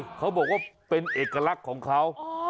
เขาบอกว่าเป็นเอกลักษณ์ของเขา